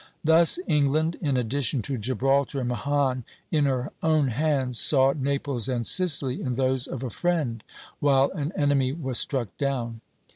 Thus England, in addition to Gibraltar and Mahon in her own hands, saw Naples and Sicily in those of a friend, while an enemy was struck down.